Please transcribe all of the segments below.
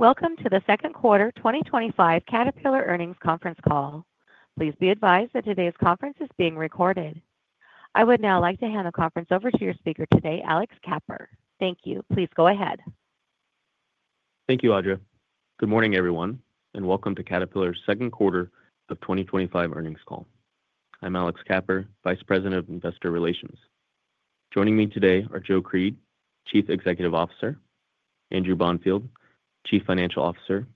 Welcome to the second quarter 2025 Caterpillar earnings conference call. Please be advised that today's conference is being recorded. I would now like to hand the conference over to your speaker today, Alex Kapper. Thank you. Please go ahead. Thank you, Audra. Good morning, everyone, and welcome to Caterpillar's second quarter of 2025 earnings call. I'm Alex Kapper, Vice President of Investor Relations. Joining me today are Joe Creed, Chief Executive Officer, Andrew Bonfield, Chief Financial Officer,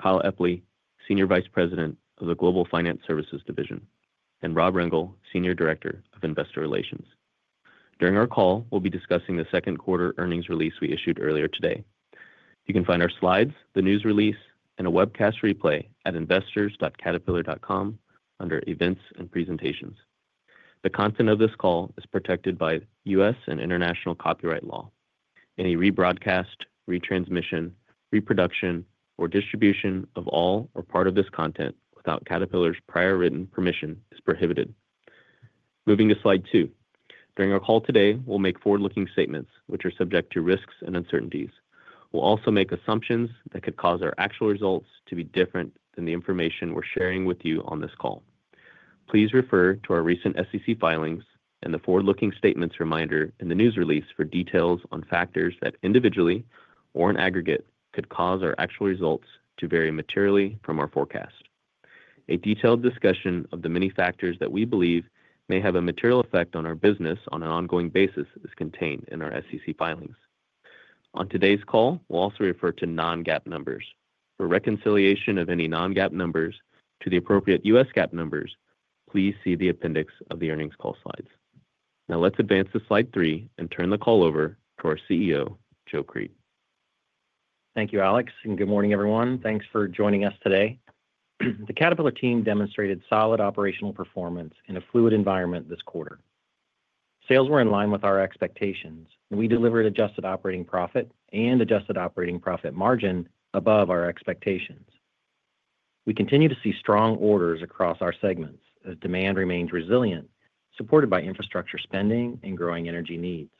Kyle Epley, Senior Vice President of the Global Finance Services Division, and Rob Rengel, Senior Director of Investor Relations. During our call, we'll be discussing the second quarter earnings release we issued earlier today. You can find our slides, the news release, and a webcast replay at investors.caterpillar.com under Events and Presentations. The content of this call is protected by U.S. and international copyright law. Any rebroadcast, retransmission, reproduction, or distribution of all or part of this content without Caterpillar's prior written permission is prohibited. Moving to slide two. During our call today, we'll make forward-looking statements, which are subject to risks and uncertainties. We'll also make assumptions that could cause our actual results to be different than the information we're sharing with you on this call. Please refer to our recent SEC filings and the forward-looking statements reminder in the news release for details on factors that individually or in aggregate could cause our actual results to vary materially from our forecast. A detailed discussion of the many factors that we believe may have a material effect on our business on an ongoing basis is contained in our SEC filings. On today's call, we'll also refer to non-GAAP numbers. For reconciliation of any non-GAAP numbers to the appropriate U.S. GAAP numbers, please see the appendix of the earnings call slides. Now let's advance to slide three and turn the call over to our CEO, Joe Creed. Thank you, Alex, and good morning, everyone. Thanks for joining us today. The Caterpillar team demonstrated solid operational performance in a fluid environment this quarter. Sales were in line with our expectations. We delivered adjusted operating profit and adjusted operating profit margin above our expectations. We continue to see strong orders across our segments as demand remains resilient, supported by infrastructure spending and growing energy needs.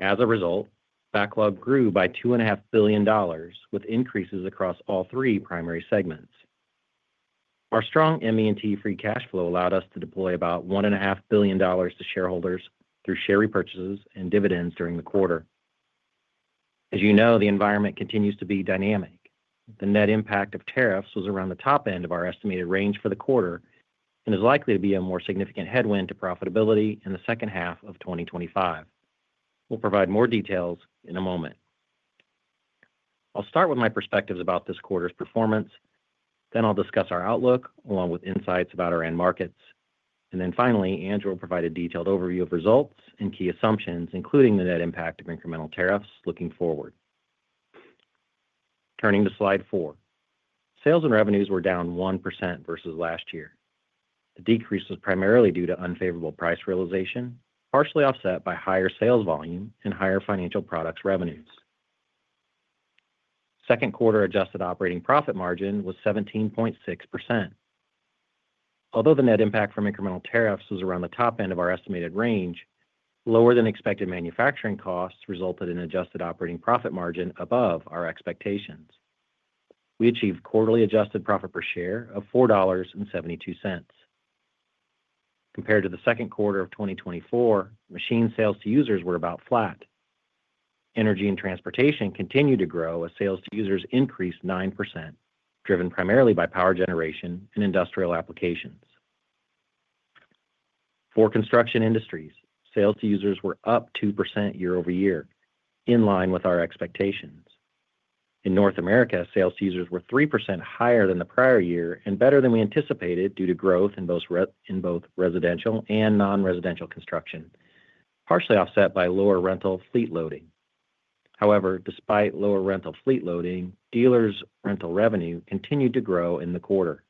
As a result, backlog grew by $2.5 billion with increases across all three primary segments. Our strong ME&T free cash flow allowed us to deploy about $1.5 billion to shareholders through share repurchases and dividends during the quarter. As you know, the environment continues to be dynamic. The net impact of tariffs was around the top end of our estimated range for the quarter and is likely to be a more significant headwind to profitability in the second half of 2025. We'll provide more details in a moment. I'll start with my perspectives about this quarter's performance, then I'll discuss our outlook along with insights about our end markets, and then finally, Andrew will provide a detailed overview of results and key assumptions, including the net impact of incremental tariffs looking forward. Turning to slide four, sales and revenues were down 1% versus last year. The decrease was primarily due to unfavorable price realization, partially offset by higher sales volume and higher financial products revenues. Second quarter adjusted operating profit margin was 17.6%. Although the net impact from incremental tariffs was around the top end of our estimated range, lower than expected manufacturing costs resulted in an adjusted operating profit margin above our expectations. We achieved quarterly adjusted profit per share of $4.72. Compared to the second quarter of 2024, machine sales to users were about flat. Energy & Transportation continued to grow as sales to users increased 9%, driven primarily by power generation and industrial applications. For Construction Industries, sales to users were up 2% year-over-year, in line with our expectations. In North America, sales to users were 3% higher than the prior year and better than we anticipated due to growth in both residential and non-residential construction, partially offset by lower rental fleet loading. However, despite lower rental fleet loading, dealers' rental revenue continued to grow in the quarter.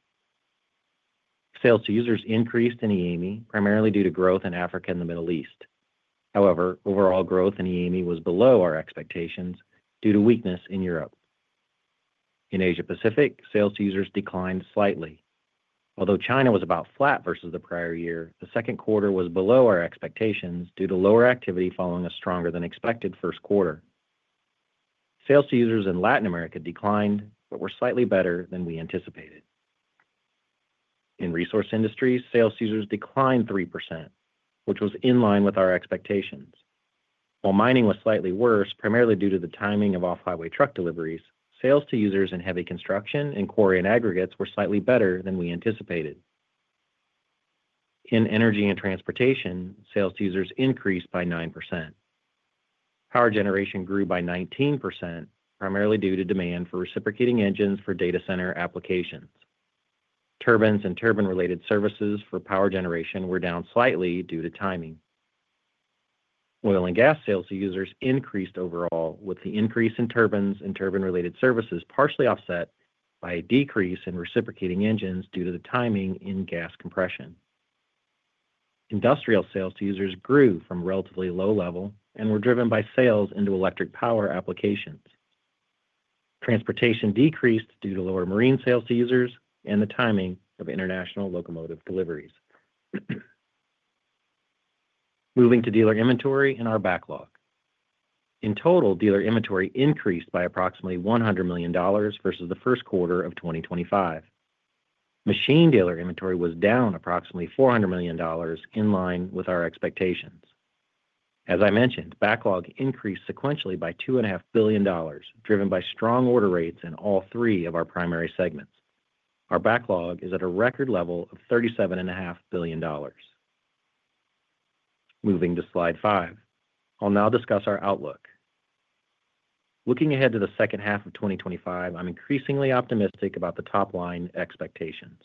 Sales to users increased in EMEA, primarily due to growth in Africa and the Middle East. However, overall growth in EMEA was below our expectations due to weakness in Europe. In Asia Pacific, sales to users declined slightly. Although China was about flat versus the prior year, the second quarter was below our expectations due to lower activity following a stronger than expected first quarter. Sales to users in Latin America declined but were slightly better than we anticipated. In Resource Industries, sales to users declined 3%, which was in line with our expectations. While mining was slightly worse, primarily due to the timing of off-highway truck deliveries, sales to users in heavy construction and quarry and aggregates were slightly better than we anticipated. In Energy & Transportation, sales to users increased by 9%. Power generation grew by 19%, primarily due to demand for reciprocating engines for data center applications. Turbines and turbine-related services for power generation were down slightly due to timing. Oil and Gas sales to users increased overall, with the increase in turbines and turbine-related services partially offset by a decrease in reciprocating engines due to the timing in gas compression. Industrial sales to users grew from a relatively low level and were driven by sales into electric power applications. Transportation decreased due to lower marine sales to users and the timing of international locomotive deliveries. Moving to dealer inventory and our backlog. In total, dealer inventory increased by approximately $100 million versus the first quarter of 2025. Machine dealer inventory was down approximately $400 million, in line with our expectations. As I mentioned, backlog increased sequentially by $2.5 billion, driven by strong order rates in all three of our primary segments. Our backlog is at a record level of $37.5 billion. Moving to slide five, I'll now discuss our outlook. Looking ahead to the second half of 2025, I'm increasingly optimistic about the top line expectations.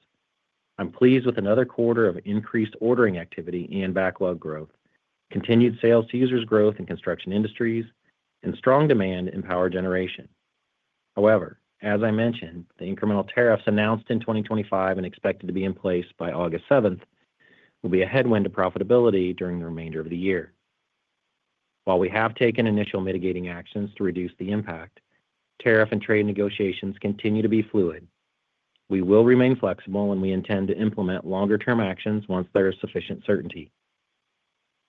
I'm pleased with another quarter of increased ordering activity and backlog growth, continued sales to users growth in Construction Industries, and strong demand in power generation. However, as I mentioned, the incremental tariffs announced in 2025 and expected to be in place by August 7th will be a headwind to profitability during the remainder of the year. While we have taken initial mitigating actions to reduce the impact, tariff and trade negotiations continue to be fluid. We will remain flexible, and we intend to implement longer-term actions once there is sufficient certainty.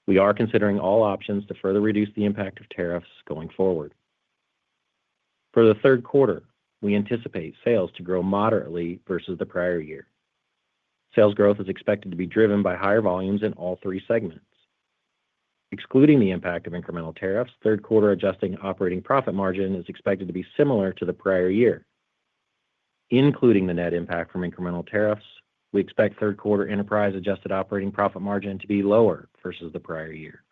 We are considering all options to further reduce the impact of tariffs going forward. For the third quarter, we anticipate sales to grow moderately versus the prior year. Sales growth is expected to be driven by higher volumes in all three segments. Excluding the impact of incremental tariffs, third quarter adjusted operating profit margin is expected to be similar to the prior year. Including the net impact from incremental tariffs, we expect third quarter enterprise adjusted operating profit margin to be lower versus the prior year.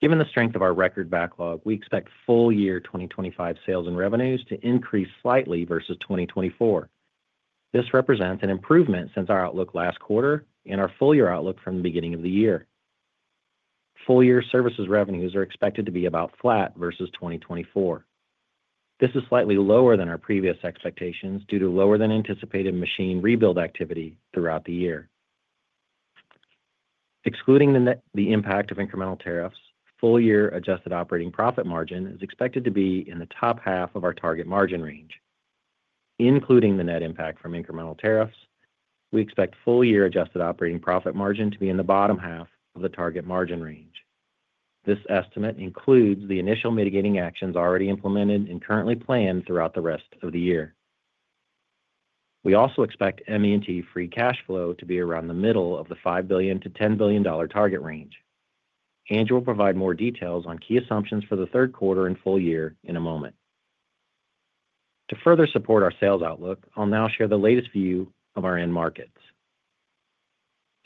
Given the strength of our record backlog, we expect full-year 2025 sales and revenues to increase slightly versus 2024. This represents an improvement since our outlook last quarter and our full-year outlook from the beginning of the year. Full-year services revenues are expected to be about flat versus 2024. This is slightly lower than our previous expectations due to lower than anticipated machine rebuild activity throughout the year. Excluding the impact of incremental tariffs, full-year adjusted operating profit margin is expected to be in the top half of our target margin range. Including the net impact from incremental tariffs, we expect full-year adjusted operating profit margin to be in the bottom half of the target margin range. This estimate includes the initial mitigating actions already implemented and currently planned throughout the rest of the year. We also expect ME&T free cash flow to be around the middle of the $5 billion-$10 billion target range. Andrew will provide more details on key assumptions for the third quarter and full year in a moment. To further support our sales outlook, I'll now share the latest view of our end markets.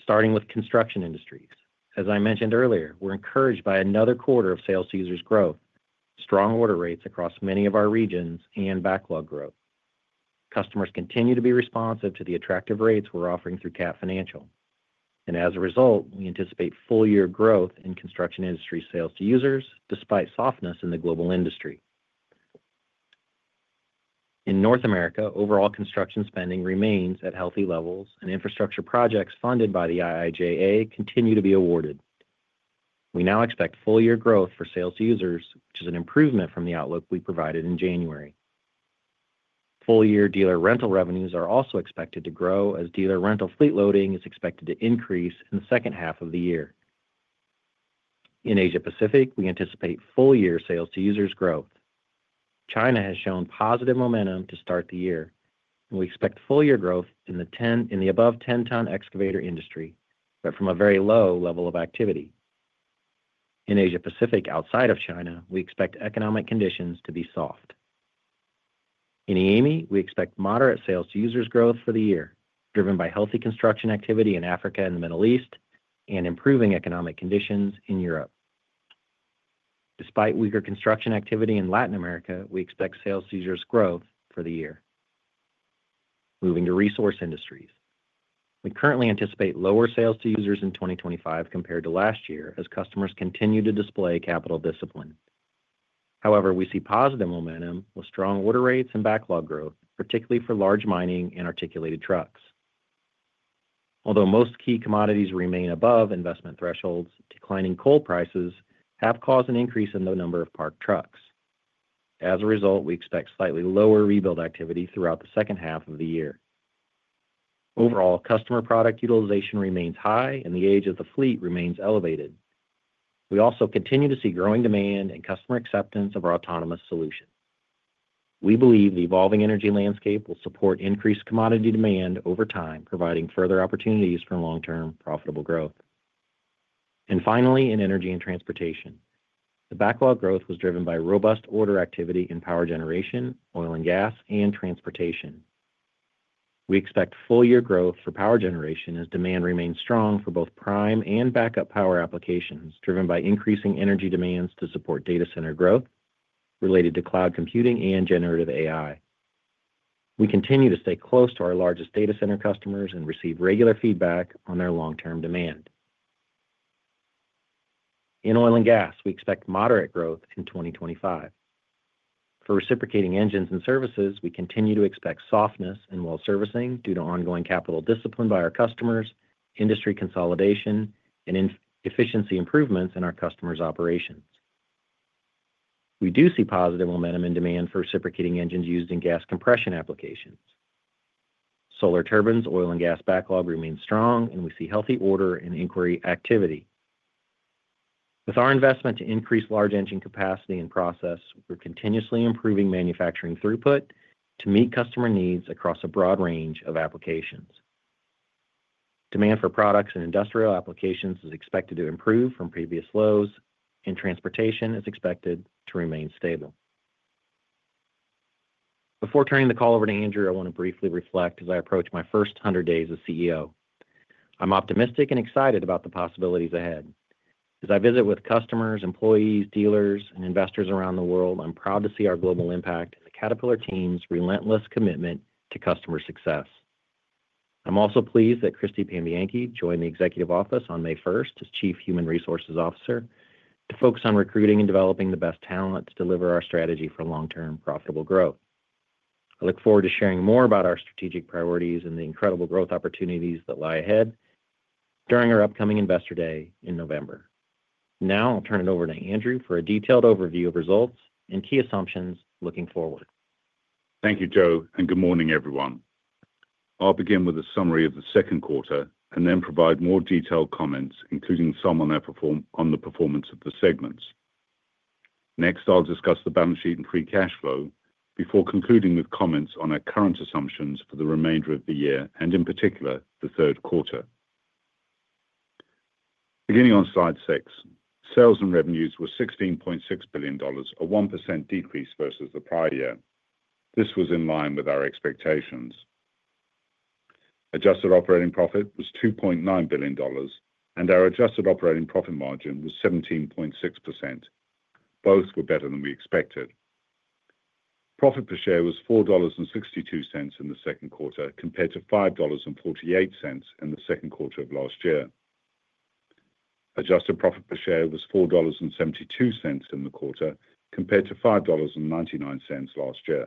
Starting with Construction Industries, as I mentioned earlier, we're encouraged by another quarter of sales to users growth, strong order rates across many of our regions, and backlog growth. Customers continue to be responsive to the attractive rates we're offering through Cat Financial. As a result, we anticipate full-year growth in Construction Industries sales to users despite softness in the global industry. In North America, overall construction spending remains at healthy levels and infrastructure projects funded by the IIJA continue to be awarded. We now expect full-year growth for sales to users, which is an improvement from the outlook we provided in January. Full-year dealer rental revenues are also expected to grow as dealer rental fleet loading is expected to increase in the second half of the year. In Asia Pacific, we anticipate full-year sales to users growth. China has shown positive momentum to start the year. We expect full-year growth in the above 10-ton excavator industry, but from a very low level of activity. In Asia Pacific, outside of China, we expect economic conditions to be soft. In EMEA, we expect moderate sales to users growth for the year, driven by healthy construction activity in Africa and the Middle East and improving economic conditions in Europe. Despite weaker construction activity in Latin America, we expect sales to users growth for the year. Moving to Resource Industries, we currently anticipate lower sales to users in 2025 compared to last year as customers continue to display capital discipline. However, we see positive momentum with strong order rates and backlog growth, particularly for large mining and articulated trucks. Although most key commodities remain above investment thresholds, declining coal prices have caused an increase in the number of parked trucks. As a result, we expect slightly lower rebuild activity throughout the second half of the year. Overall, customer product utilization remains high and the age of the fleet remains elevated. We also continue to see growing demand and customer acceptance of our autonomous solutions. We believe the evolving energy landscape will support increased commodity demand over time, providing further opportunities for long-term profitable growth. Finally, in Energy & Transportation, the backlog growth was driven by robust order activity in power generation, oil and gas, and transportation. We expect full-year growth for power generation as demand remains strong for both prime and backup power applications, driven by increasing energy demands to support data center growth related to cloud computing and generative AI. We continue to stay close to our largest data center customers and receive regular feedback on their long-term demand. In oil and gas, we expect moderate growth in 2025. For reciprocating engines and services, we continue to expect softness in well servicing due to ongoing capital discipline by our customers, industry consolidation, and efficiency improvements in our customers' operations. We do see positive momentum in demand for reciprocating engines used in gas compression applications. Solar Turbines' oil and gas backlog remains strong, and we see healthy order and inquiry activity. With our investment to increase large engine capacity and process, we're continuously improving manufacturing throughput to meet customer needs across a broad range of applications. Demand for products in industrial applications is expected to improve from previous lows, and transportation is expected to remain stable. Before turning the call over to Andrew, I want to briefly reflect as I approach my first 100 days as CEO. I'm optimistic and excited about the possibilities ahead. As I visit with customers, employees, dealers, and investors around the world, I'm proud to see our global impact and the Caterpillar team's relentless commitment to customer success. I'm also pleased that Christy Pambianchi joined the Executive Office on May 1st as Chief Human Resources Officer to focus on recruiting and developing the best talent to deliver our strategy for long-term profitable growth. I look forward to sharing more about our strategic priorities and the incredible growth opportunities that lie ahead during our upcoming Investor Day in November. Now I'll turn it over to Andrew for a detailed overview of results and key assumptions looking forward. Thank you, Joe, and good morning, everyone. I'll begin with a summary of the second quarter and then provide more detailed comments, including some on the performance of the segments. Next, I'll discuss the balance sheet and free cash flow before concluding with comments on our current assumptions for the remainder of the year and in particular the third quarter. Beginning on slide six, sales and revenues were $16.6 billion, a 1% decrease versus the prior year. This was in line with our expectations. Adjusted operating profit was $2.9 billion, and our adjusted operating profit margin was 17.6%. Both were better than we expected. Profit per share was $4.62 in the second quarter compared to $5.48 in the second quarter of last year. Adjusted profit per share was $4.72 in the quarter compared to $5.99 last year.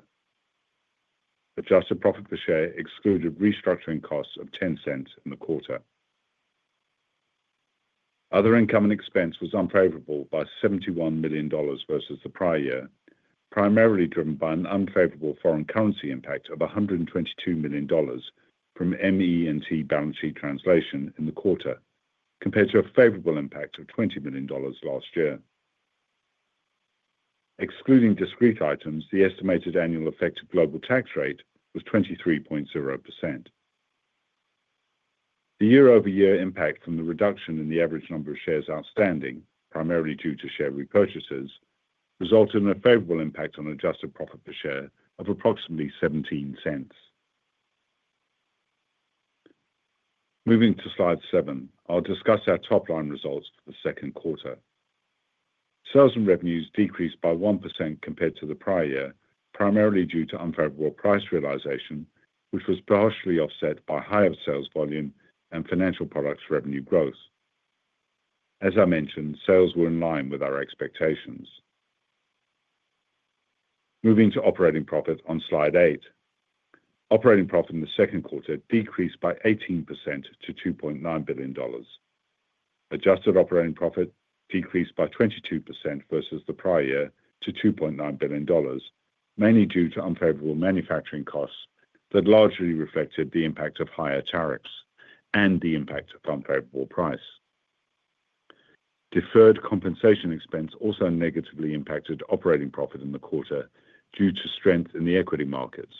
Adjusted profit per share excluded restructuring costs of $0.10 in the quarter. Other income and expense was unfavorable by $71 million versus the prior year, primarily driven by an unfavorable foreign currency impact of $122 million from ME&T balance sheet translation in the quarter, compared to a favorable impact of $20 million last year. Excluding discrete items, the estimated annual effective global tax rate was 23.0%. The year-over-year impact from the reduction in the average number of shares outstanding, primarily due to share repurchases, resulted in a favorable impact on adjusted profit per share of approximately $0.17. Moving to slide seven, I'll discuss our top line results for the second quarter. Sales and revenues decreased by 1% compared to the prior year, primarily due to unfavorable price realization, which was partially offset by higher sales volume and financial products revenue growth. As I mentioned, sales were in line with our expectations. Moving to operating profit on slide eight. Operating profit in the second quarter decreased by 18% to $2.9 billion. Adjusted operating profit decreased by 22% versus the prior year to $2.9 billion, mainly due to unfavorable manufacturing costs that largely reflected the impact of higher tariffs and the impact of unfavorable price. Deferred compensation expense also negatively impacted operating profit in the quarter due to strength in the equity markets.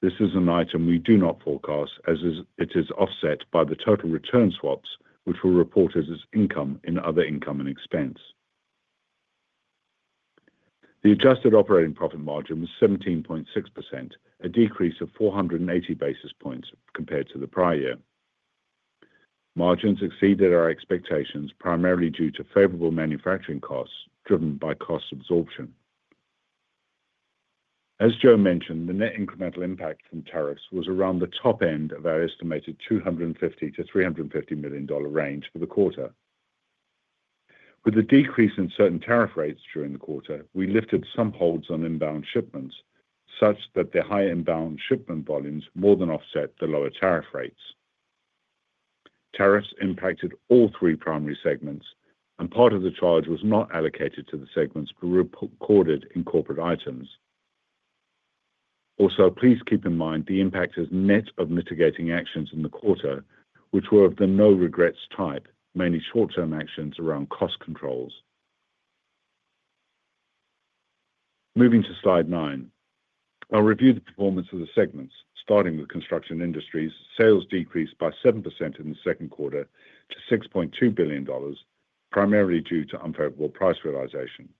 This is an item we do not forecast as it is offset by the total return swaps, which were reported as income in other income and expense. The adjusted operating profit margin was 17.6%, a decrease of 480 basis points compared to the prior year. Margins exceeded our expectations primarily due to favorable manufacturing costs driven by cost absorption. As Joe mentioned, the net incremental impact from tariffs was around the top end of our estimated $250-$350 million range for the quarter. With a decrease in certain tariff rates during the quarter, we lifted some holds on inbound shipments, such that the high inbound shipment volumes more than offset the lower tariff rates. Tariffs impacted all three primary segments, and part of the charge was not allocated to the segments; we recorded in corporate items. Also, please keep in mind the impact as net of mitigating actions in the quarter, which were of the no-regrets type, mainly short-term actions around cost controls. Moving to slide nine, I'll review the performance of the segments, starting with Construction Industries. Sales decreased by 7% in the second quarter to $6.2 billion, primarily due to unfavorable price realization.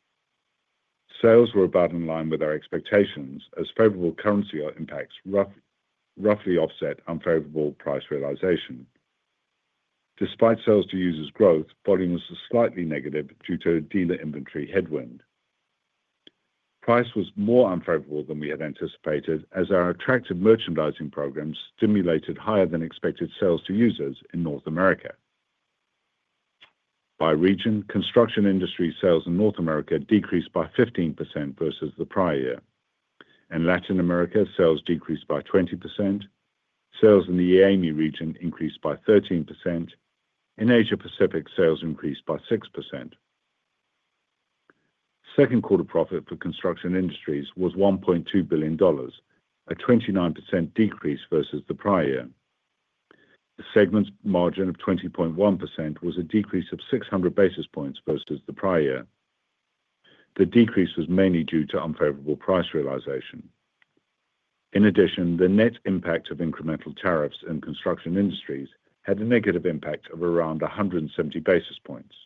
Sales were about in line with our expectations as favorable currency impacts roughly offset unfavorable price realization. Despite sales to users growth, volumes were slightly negative due to a dealer inventory headwind. Price was more unfavorable than we had anticipated as our attractive merchandising programs stimulated higher than expected sales to users in North America. By region, Construction Industries sales in North America decreased by 15% versus the prior year. In Latin America, sales decreased by 20%. Sales in the EMEA region increased by 13%. In Asia Pacific, sales increased by 6%. Second quarter profit for Construction Industries was $1.2 billion, a 29% decrease versus the prior year. The segment's margin of 20.1% was a decrease of 600 basis points versus the prior year. The decrease was mainly due to unfavorable price realization. In addition, the net impact of incremental tariffs in Construction Industries had a negative impact of around 170 basis points.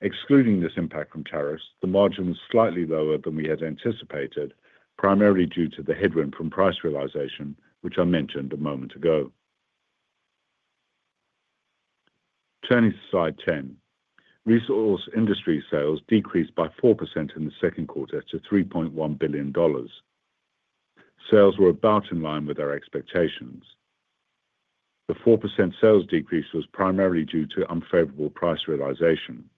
Excluding this impact from tariffs, the margin was slightly lower than we had anticipated, primarily due to the headwind from price realization, which I mentioned a moment ago. Turning to slide 10, Resource Industries sales decreased by 4% in the second quarter to $3.1 billion. Sales were about in line with our expectations. The 4% sales decrease was primarily due to unfavorable price realization.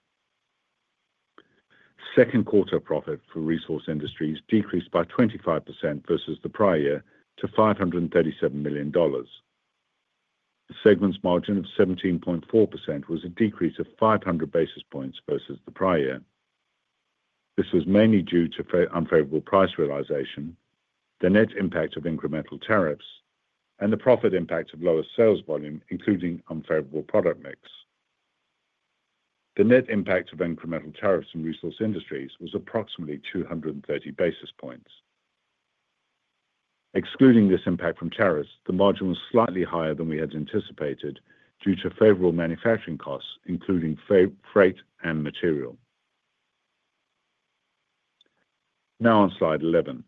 Second quarter profit for Resource Industries decreased by 25% versus the prior year to $537 million. The segment's margin of 17.4% was a decrease of 500 basis points versus the prior year. This was mainly due to unfavorable price realization, the net impact of incremental tariffs, and the profit impact of lower sales volume, including unfavorable product mix. The net impact of incremental tariffs in Resource Industries was approximately 230 basis points. Excluding this impact from tariffs, the margin was slightly higher than we had anticipated due to favorable manufacturing costs, including freight and material. Now on slide 11,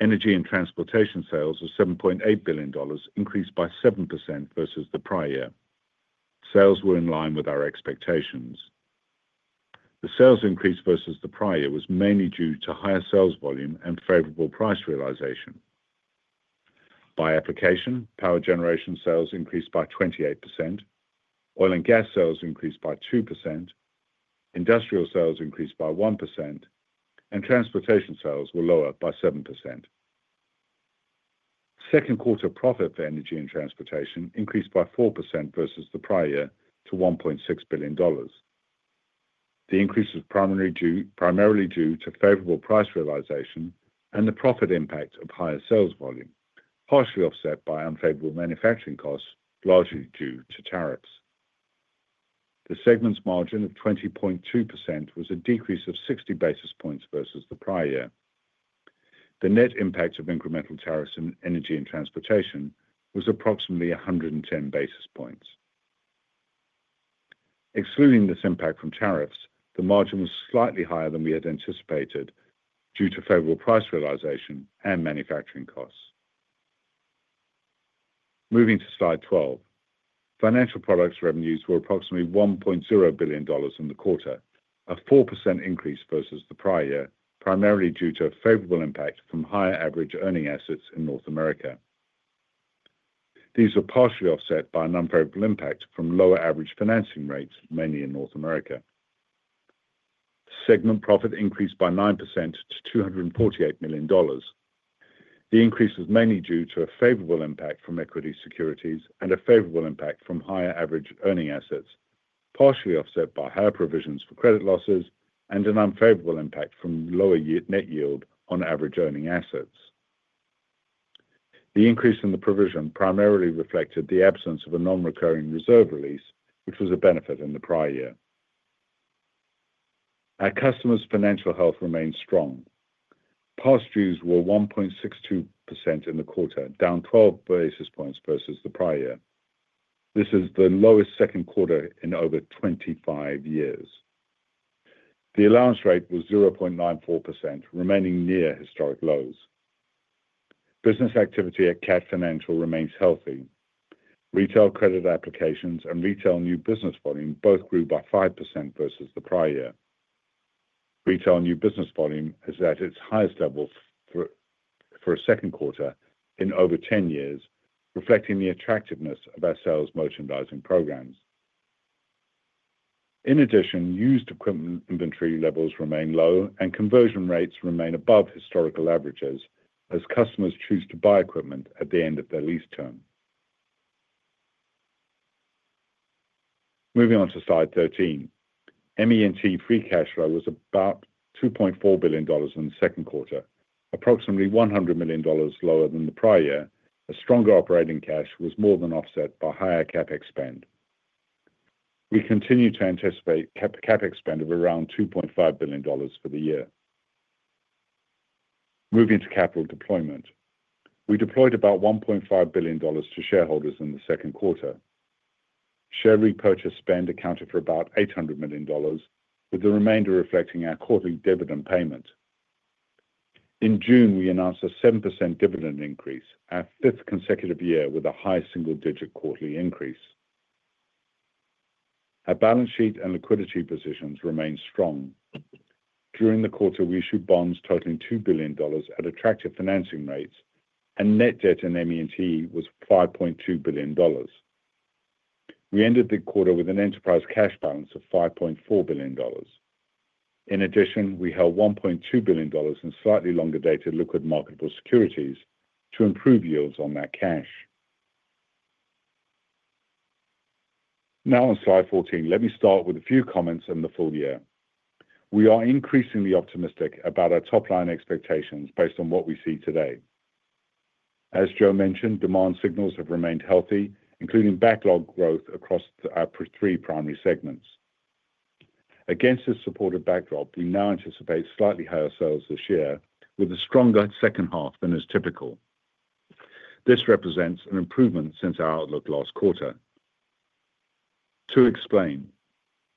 Energy & Transportation sales were $7.8 billion, increased by 7% versus the prior year. Sales were in line with our expectations. The sales increase versus the prior year was mainly due to higher sales volume and favorable price realization. By application, power generation sales increased by 28%, oil and gas sales increased by 2%, industrial sales increased by 1%, and transportation sales were lower by 7%. Second quarter profit for Energy & Transportation increased by 4% versus the prior year to $1.6 billion. The increase was primarily due to favorable price realization and the profit impact of higher sales volume, partially offset by unfavorable manufacturing costs, largely due to tariffs. The segment's margin of 20.2% was a decrease of 60 basis points versus the prior year. The net impact of incremental tariffs in Energy & Transportation was approximately 110 basis points. Excluding this impact from tariffs, the margin was slightly higher than we had anticipated due to favorable price realization and manufacturing costs. Moving to slide 12, Financial Products revenues were approximately $1.0 billion in the quarter, a 4% increase versus the prior year, primarily due to a favorable impact from higher average earning assets in North America. These were partially offset by an unfavorable impact from lower average financing rates, mainly in North America. The segment profit increased by 9% to $248 million. The increase was mainly due to a favorable impact from equity securities and a favorable impact from higher average earning assets, partially offset by higher provisions for credit losses and an unfavorable impact from lower net yield on average earning assets. The increase in the provision primarily reflected the absence of a non-recurring reserve release, which was a benefit in the prior year. Our customers' financial health remains strong. Past dues were 1.62% in the quarter, down 12 basis points versus the prior year. This is the lowest second quarter in over 25 years. The allowance rate was 0.94%, remaining near historic lows. Business activity at Cat Financial remains healthy. Retail credit applications and retail new business volume both grew by 5% versus the prior year. Retail new business volume is at its highest level for a second quarter in over 10 years, reflecting the attractiveness of our sales merchandising programs. In addition, used equipment inventory levels remain low and conversion rates remain above historical averages as customers choose to buy equipment at the end of their lease term. Moving on to slide 13, ME&T free cash flow was about $2.4 billion in the second quarter, approximately $100 million lower than the prior year. A stronger operating cash was more than offset by higher CapEx spend. We continue to anticipate CapEx spend of around $2.5 billion for the year. Moving to capital deployment, we deployed about $1.5 billion to shareholders in the second quarter. Share repurchase spend accounted for about $800 million, with the remainder reflecting our quarterly dividend payment. In June, we announced a 7% dividend increase, our fifth consecutive year with a high single-digit quarterly increase. Our balance sheet and liquidity positions remain strong. During the quarter, we issued bonds totaling $2 billion at attractive financing rates, and net debt in ME&T was $5.2 billion. We ended the quarter with an enterprise cash balance of $5.4 billion. In addition, we held $1.2 billion in slightly longer-dated liquid marketable securities to improve yields on that cash. Now on slide 14, let me start with a few comments on the full year. We are increasingly optimistic about our top line expectations based on what we see today. As Joe mentioned, demand signals have remained healthy, including backlog growth across our three primary segments. Against this supportive backdrop, we now anticipate slightly higher sales this year, with a stronger second half than is typical. This represents an improvement since our outlook last quarter. To explain,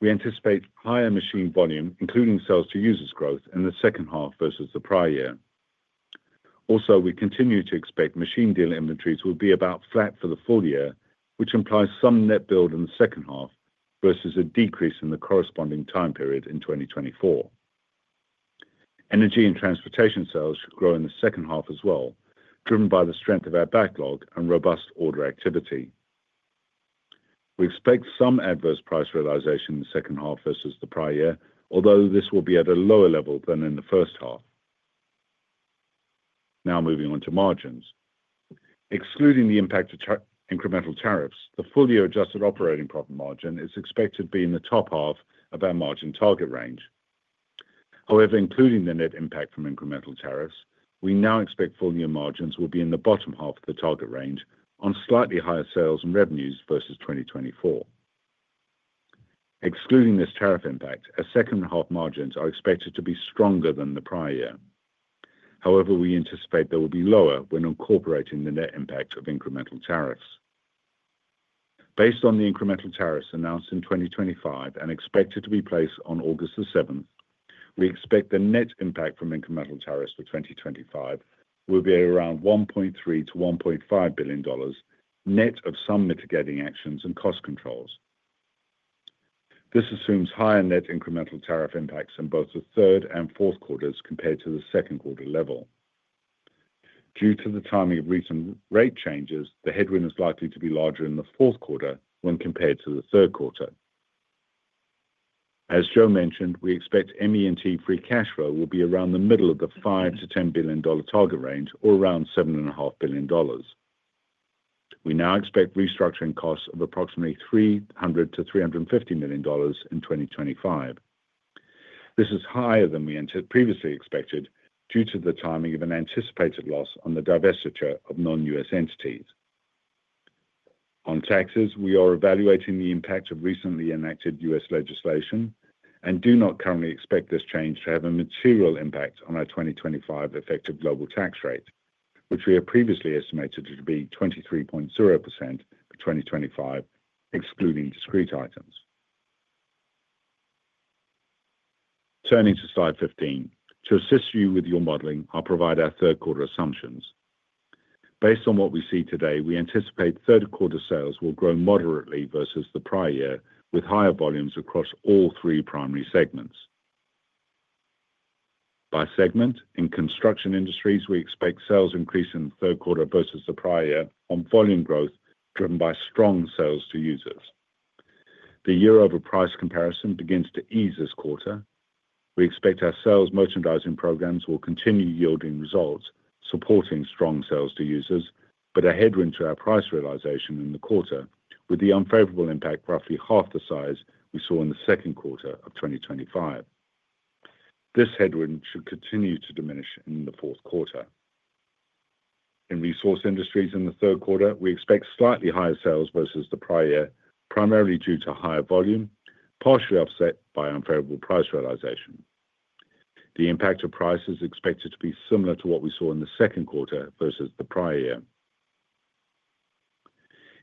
we anticipate higher machine volume, including sales to users growth in the second half versus the prior year. Also, we continue to expect machine dealer inventories will be about flat for the full year, which implies some net build in the second half versus a decrease in the corresponding time period in 2024. Energy & Transportation sales grow in the second half as well, driven by the strength of our backlog and robust order activity. We expect some adverse price realization in the second half versus the prior year, although this will be at a lower level than in the first half. Now moving on to margins. Excluding the impact of incremental tariffs, the full year adjusted operating profit margin is expected to be in the top half of our margin target range. However, including the net impact from incremental tariffs, we now expect full-year margins will be in the bottom half of the target range on slightly higher sales and revenues versus 2024. Excluding this tariff impact, our second half margins are expected to be stronger than the prior year. However, we anticipate they will be lower when incorporating the net impact of incremental tariffs. Based on the incremental tariffs announced in 2025 and expected to be placed on August 7th, we expect the net impact from incremental tariffs for 2025 will be around $1.3-$1.5 billion net of some mitigating actions and cost controls. This assumes higher net incremental tariff impacts in both the third and fourth quarters compared to the second quarter level. Due to the timing of recent rate changes, the headwind is likely to be larger in the fourth quarter when compared to the third quarter. As Joe mentioned, we expect ME&T free cash flow will be around the middle of the $5-$10 billion target range, or around $7.5 billion. We now expect restructuring costs of approximately $300-$350 million in 2025. This is higher than we previously expected due to the timing of an anticipated loss on the divestiture of non-U.S. entities. On taxes, we are evaluating the impact of recently enacted U.S. legislation and do not currently expect this change to have a material impact on our 2025 effective global tax rate, which we have previously estimated to be 23.0% for 2025, excluding discrete items. Turning to slide 15, to assist you with your modeling, I'll provide our third quarter assumptions. Based on what we see today, we anticipate third quarter sales will grow moderately versus the prior year, with higher volumes across all three primary segments. By segment, in Construction Industries, we expect sales increase in the third quarter versus the prior year on volume growth driven by strong sales to users. The year-over-price comparison begins to ease this quarter. We expect our sales merchandising programs will continue yielding results supporting strong sales to users, but a headwind to our price realization in the quarter with the unfavorable impact roughly half the size we saw in the second quarter of 2025. This headwind should continue to diminish in the fourth quarter. In Resource Industries, in the third quarter, we expect slightly higher sales versus the prior year, primarily due to higher volume, partially offset by unfavorable price realization. The impact of price is expected to be similar to what we saw in the second quarter versus the prior year.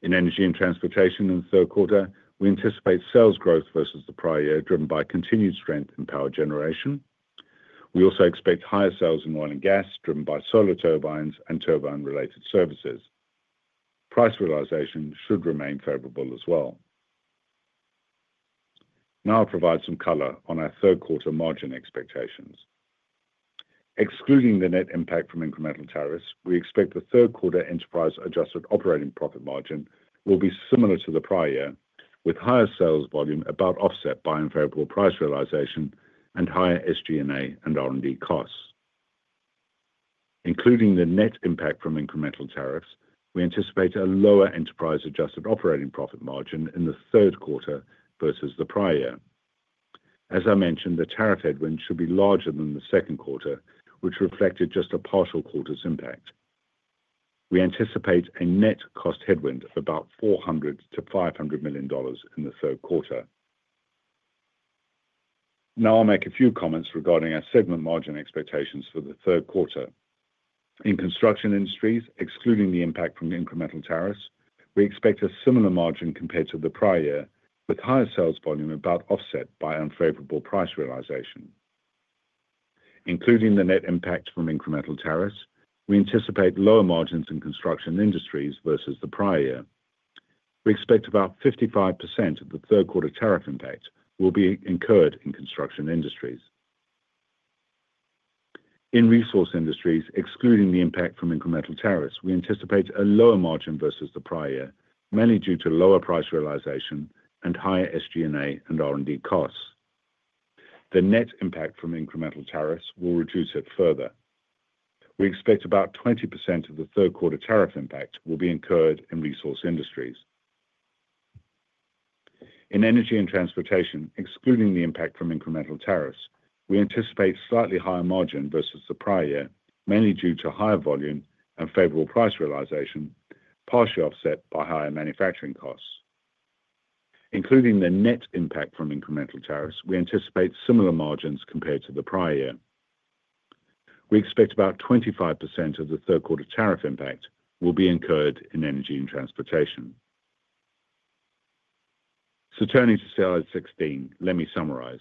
In Energy & Transportation, in the third quarter, we anticipate sales growth versus the prior year, driven by continued strength in power generation. We also expect higher sales in Oil and Gas, driven by Solar turbines and turbine-related services. Price realization should remain favorable as well. Now I'll provide some color on our third quarter margin expectations. Excluding the net impact from incremental tariffs, we expect the third quarter enterprise adjusted operating profit margin will be similar to the prior year, with higher sales volume about offset by unfavorable price realization and higher SG&A and R&D costs. Including the net impact from incremental tariffs, we anticipate a lower enterprise adjusted operating profit margin in the third quarter versus the prior year. As I mentioned, the tariff headwind should be larger than the second quarter, which reflected just a partial quarter's impact. We anticipate a net cost headwind of about $400-$500 million in the third quarter. Now I'll make a few comments regarding our segment margin expectations for the third quarter. In Construction Industries, excluding the impact from incremental tariffs, we expect a similar margin compared to the prior year, with higher sales volume about offset by unfavorable price realization. Including the net impact from incremental tariffs, we anticipate lower margins in Construction Industries versus the prior year. We expect about 55% of the third quarter tariff impact will be incurred in Construction Industries. In Resource Industries, excluding the impact from incremental tariffs, we anticipate a lower margin versus the prior year, mainly due to lower price realization and higher SG&A and R&D costs. The net impact from incremental tariffs will reduce it further. We expect about 20% of the third quarter tariff impact will be incurred in Resource Industries. In Energy & Transportation, excluding the impact from incremental tariffs, we anticipate slightly higher margin versus the prior year, mainly due to higher volume and favorable price realization, partially offset by higher manufacturing costs. Including the net impact from incremental tariffs, we anticipate similar margins compared to the prior year. We expect about 25% of the third quarter tariff impact will be incurred in Energy & Transportation. Turning to slide 16, let me summarize.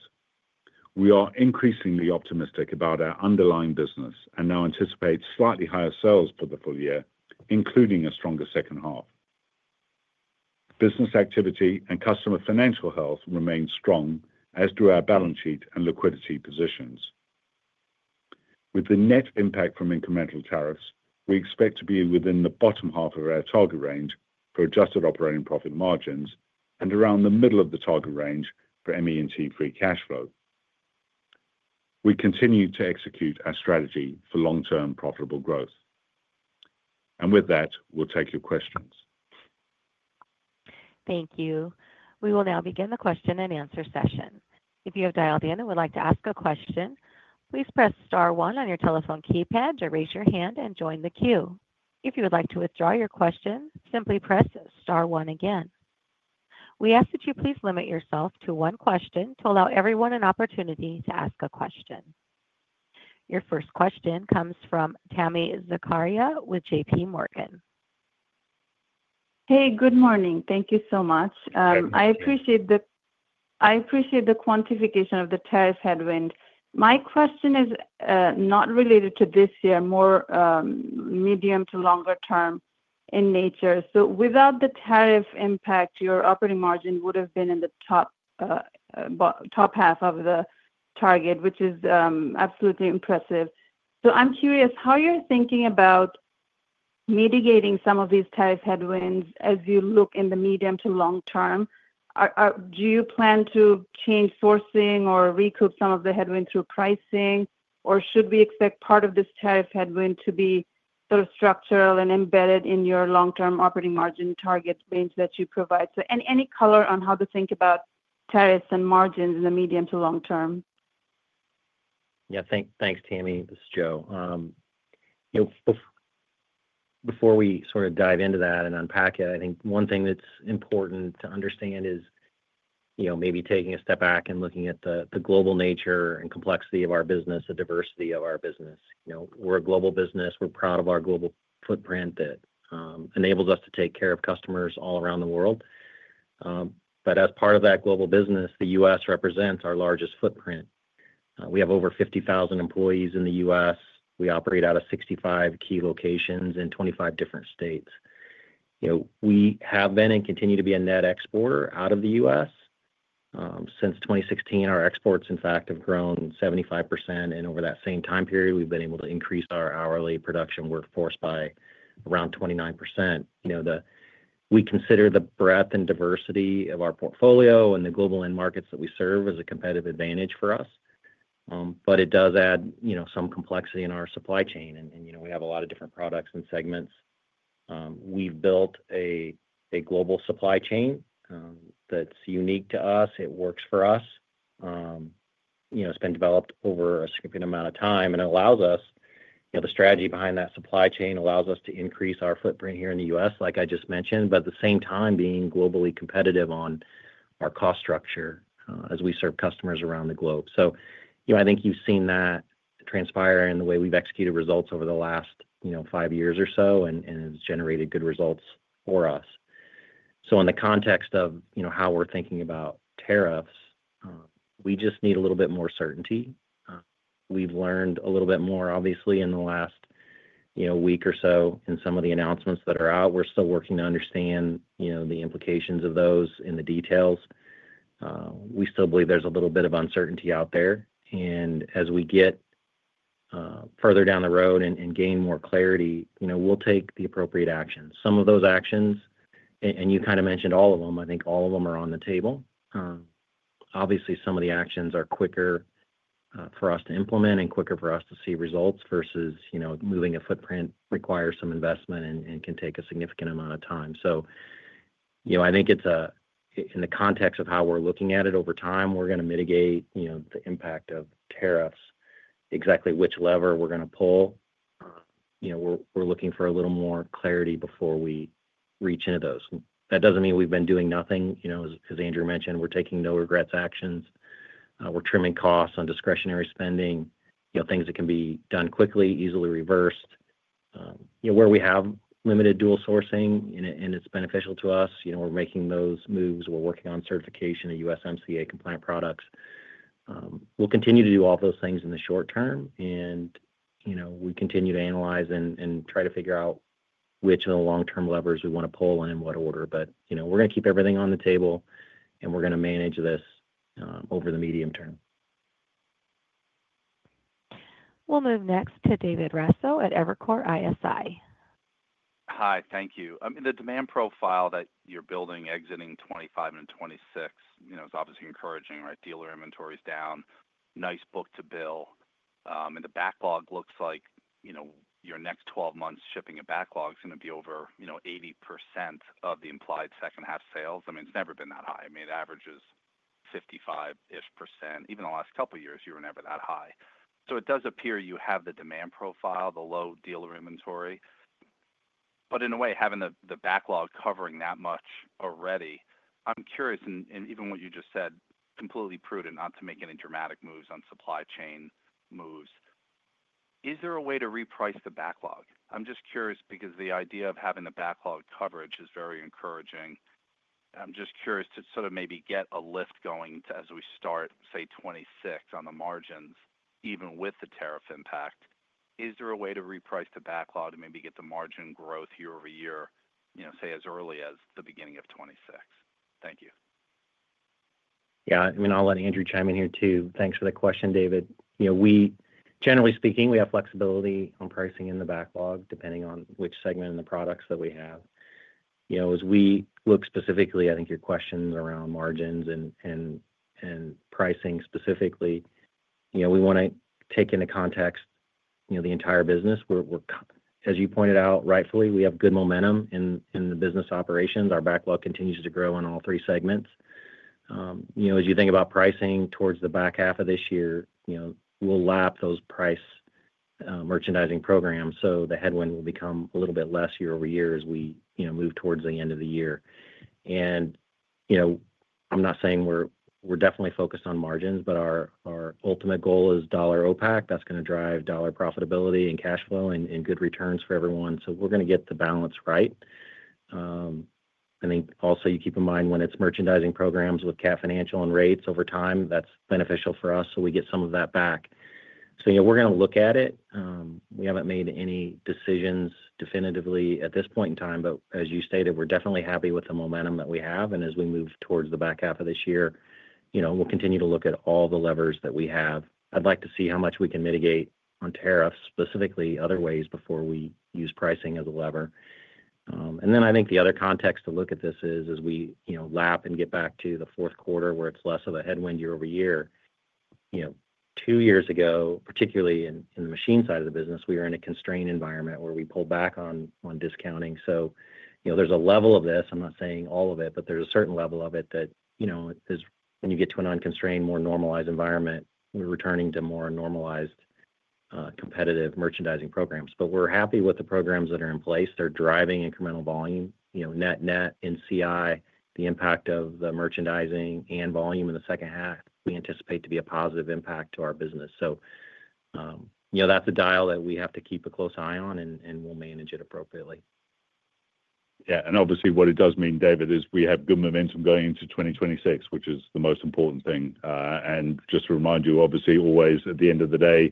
We are increasingly optimistic about our underlying business and now anticipate slightly higher sales for the full year, including a stronger second half. Business activity and customer financial health remain strong, as do our balance sheet and liquidity positions. With the net impact from incremental tariffs, we expect to be within the bottom half of our target range for adjusted operating profit margins and around the middle of the target range for ME&T free cash flow. We continue to execute our strategy for long-term profitable growth. With that, we'll take your questions. Thank you. We will now begin the question and answer session. If you have dialed in and would like to ask a question, please press star one on your telephone keypad to raise your hand and join the queue. If you would like to withdraw your question, simply press star one again. We ask that you please limit yourself to one question to allow everyone an opportunity to ask a question. Your first question comes from Tami Zakaria with JPMorgan. Hey, good morning. Thank you so much. I appreciate the quantification of the tariff headwind. My question is not related to this year, more medium to longer term in nature. Without the tariff impact, your operating margin would have been in the top half of the target, which is absolutely impressive. I'm curious how you're thinking about mitigating some of these tariff headwinds as you look in the medium to long term. Do you plan to change sourcing or recoup some of the headwind through pricing, or should we expect part of this tariff headwind to be sort of structural and embedded in your long-term operating margin target range that you provide? Any color on how to think about tariffs and margins in the medium to long term? Yeah, thanks, Tami. This is Joe. Before we sort of dive into that and unpack it, I think one thing that's important to understand is, you know, maybe taking a step back and looking at the global nature and complexity of our business, the diversity of our business. You know, we're a global business. We're proud of our global footprint that enables us to take care of customers all around the world. As part of that global business, the U.S. represents our largest footprint. We have over 50,000 employees in the U.S. We operate out of 65 key locations in 25 different states. We have been and continue to be a net exporter out of the U.S. Since 2016, our exports, in fact, have grown 75%. Over that same time period, we've been able to increase our hourly production workforce by around 29%. We consider the breadth and diversity of our portfolio and the global end markets that we serve as a competitive advantage for us. It does add some complexity in our supply chain. We have a lot of different products and segments. We've built a global supply chain that's unique to us. It works for us. It's been developed over a significant amount of time. It allows us, the strategy behind that supply chain allows us to increase our footprint here in the U.S., like I just mentioned, but at the same time being globally competitive on our cost structure as we serve customers around the globe. I think you've seen that transpire in the way we've executed results over the last five years or so, and it's generated good results for us. In the context of how we're thinking about tariffs, we just need a little bit more certainty. We've learned a little bit more, obviously, in the last week or so in some of the announcements that are out. We're still working to understand the implications of those in the details. We still believe there's a little bit of uncertainty out there. As we get further down the road and gain more clarity, we'll take the appropriate actions. Some of those actions, and you kind of mentioned all of them, I think all of them are on the table. Obviously, some of the actions are quicker for us to implement and quicker for us to see results versus moving a footprint requires some investment and can take a significant amount of time. I think it's in the context of how we're looking at it over time, we're going to mitigate the impact of tariffs, exactly which lever we're going to pull. We're looking for a little more clarity before we reach into those. That doesn't mean we've been doing nothing. As Andrew mentioned, we're taking no regrets actions. We're trimming costs on discretionary spending, things that can be done quickly, easily reversed. Where we have limited dual sourcing and it's beneficial to us, we're making those moves. We're working on certification of USMCA compliant products. We'll continue to do all of those things in the short term. We continue to analyze and try to figure out which of the long-term levers we want to pull and in what order. We're going to keep everything on the table and we're going to manage this over the medium term. We'll move next to David Raso at Evercore ISI. Hi, thank you. I mean, the demand profile that you're building exiting 2025 and 2026 is obviously encouraging, right? Dealer inventory is down. Nice book to bill. The backlog looks like, you know, your next 12 months shipping a backlog is going to be over, you know, 80% of the implied second half sales. It's never been that high. It averages 55-ish%. Even the last couple of years, you were never that high. It does appear you have the demand profile, the low dealer inventory. In a way, having the backlog covering that much already, I'm curious, and even what you just said, completely prudent not to make any dramatic moves on supply chain moves. Is there a way to reprice the backlog? I'm just curious because the idea of having the backlog coverage is very encouraging. I'm just curious to sort of maybe get a lift going to as we start, say, 2026 on the margins, even with the tariff impact. Is there a way to reprice the backlog and maybe get the margin growth year-over-year, you know, say as early as the beginning of 2026? Thank you. Yeah, I mean, I'll let Andrew chime in here too. Thanks for the question, David. You know, generally speaking, we have flexibility on pricing in the backlog depending on which segment and the products that we have. As we look specifically, I think your question is around margins and pricing specifically. We want to take into context the entire business. As you pointed out, rightfully, we have good momentum in the business operations. Our backlog continues to grow in all three segments. As you think about pricing towards the back half of this year, we'll lap those price merchandising programs. The headwind will become a little bit less year over year as we move towards the end of the year. I'm not saying we're definitely focused on margins, but our ultimate goal is dollar OPAC. That's going to drive dollar profitability and cash flow and good returns for everyone. We're going to get the balance right. I think also you keep in mind when it's merchandising programs with Cat Financial and rates over time, that's beneficial for us. We get some of that back. We're going to look at it. We haven't made any decisions definitively at this point in time, but as you stated, we're definitely happy with the momentum that we have. As we move towards the back half of this year, we'll continue to look at all the levers that we have. I'd like to see how much we can mitigate on tariffs, specifically other ways before we use pricing as a lever. I think the other context to look at this is as we lap and get back to the fourth quarter where it's less of a headwind year-over-year. Two years ago, particularly in the machine side of the business, we were in a constrained environment where we pulled back on discounting. There's a level of this, I'm not saying all of it, but there's a certain level of it that when you get to an unconstrained, more normalized environment, we're returning to more normalized competitive merchandising programs. We're happy with the programs that are in place. They're driving incremental volume. Net net NCI, the impact of the merchandising and volume in the second half, we anticipate to be a positive impact to our business. That's a dial that we have to keep a close eye on and we'll manage it appropriately. Obviously, what it does mean, David, is we have good momentum going into 2026, which is the most important thing. Just to remind you, obviously always at the end of the day,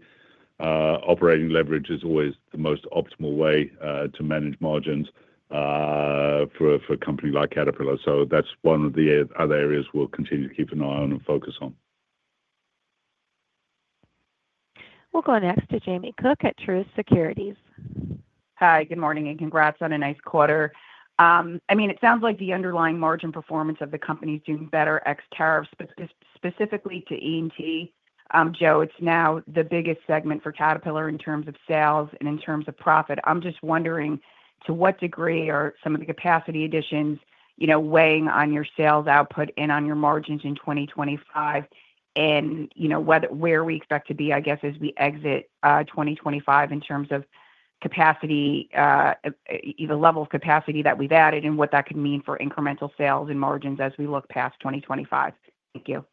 operating leverage is always the most optimal way to manage margins for a company like Caterpillar. That's one of the other areas we'll continue to keep an eye on and focus on. We'll go next to Jamie Cook at Truist Securities. Hi, good morning and congrats on a nice quarter. It sounds like the underlying margin performance of the company is doing better ex-tariffs, but specifically to E&T. Joe, it's now the biggest segment for Caterpillar in terms of sales and in terms of profit. I'm just wondering to what degree are some of the capacity additions weighing on your sales output and on your margins in 2025? Where we expect to be, I guess, as we exit 2025 in terms of capacity, the level of capacity that we've added and what that could mean for incremental sales and margins as we look past 2025. Thank you.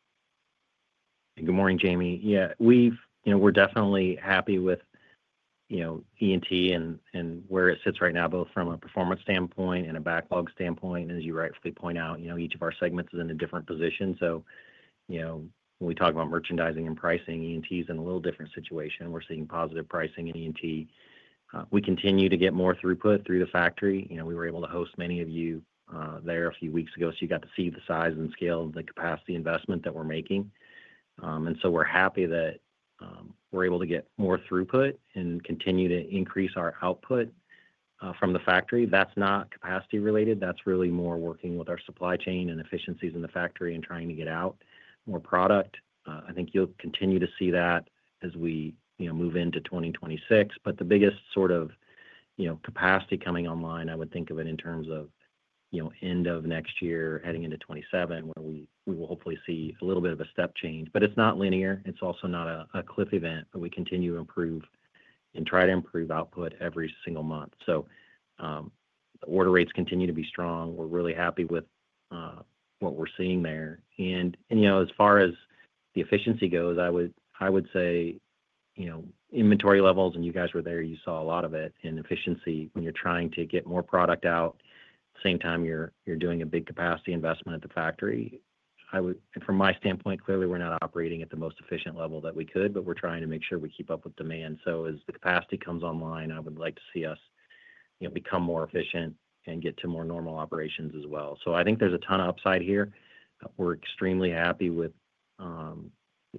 Good morning, Jamie. Yeah, we're definitely happy with E&T and where it sits right now, both from a performance standpoint and a backlog standpoint. As you rightfully point out, each of our segments is in a different position. When we talk about merchandising and pricing, E&T is in a little different situation. We're seeing positive pricing in E&T. We continue to get more throughput through the factory. We were able to host many of you there a few weeks ago, so you got to see the size and scale of the capacity investment that we're making. We're happy that we're able to get more throughput and continue to increase our output from the factory. That's not capacity related. That's really more working with our supply chain and efficiencies in the factory and trying to get out more product. I think you'll continue to see that as we move into 2026. The biggest sort of capacity coming online, I would think of it in terms of end of next year, heading into 2027, when we will hopefully see a little bit of a step change. It's not linear. It's also not a cliff event, but we continue to improve and try to improve output every single month. The order rates continue to be strong. We're really happy with what we're seeing there. As far as the efficiency goes, I would say inventory levels, and you guys were there, you saw a lot of it in efficiency. I mean, you're trying to get more product out. At the same time, you're doing a big capacity investment at the factory. From my standpoint, clearly we're not operating at the most efficient level that we could, but we're trying to make sure we keep up with demand. As the capacity comes online, I would like to see us become more efficient and get to more normal operations as well. I think there's a ton of upside here. We're extremely happy with the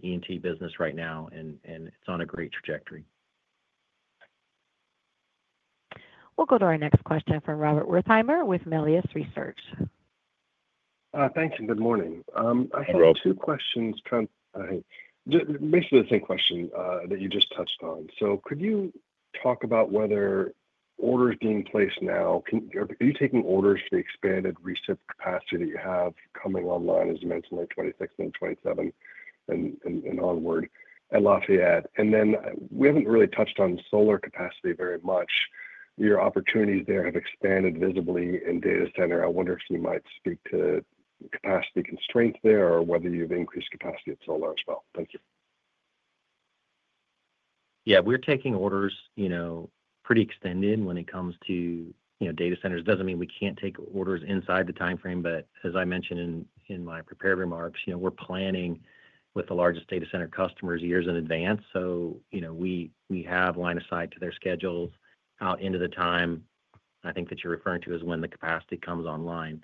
E&T business right now, and it's on a great trajectory. We'll go to our next question from Robert Wertheimer with Melius Research. Thanks and good morning. I have two questions, basically the same question that you just touched on. Could you talk about whether orders being placed now, are you taking orders for the expanded reset capacity that you have coming online, as you mentioned, like 2026 and 2027 and onward at Lafayette? We haven't really touched on solar capacity very much. Your opportunities there have expanded visibly in data center. I wonder if you might speak to capacity constraints there or whether you've increased capacity at solar as well. Thank you. Yeah, we're taking orders, you know, pretty extended when it comes to, you know, data centers. It doesn't mean we can't take orders inside the timeframe, but as I mentioned in my prepared remarks, we're planning with the largest data center customers years in advance. We have line of sight to their schedules out into the time. I think that you're referring to is when the capacity comes online.